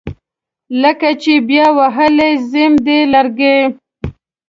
لکه چې بیا وهلي زیم دي لرګي